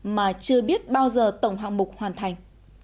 mà chưa biết bao giờ tổng hạng mục hoàn thành